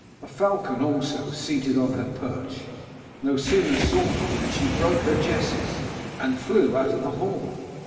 A falcon also, seated on her perch, no sooner saw him than she broke her jesses, and flew out of the hall.